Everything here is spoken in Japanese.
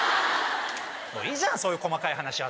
いいじゃんそういう細かい話は。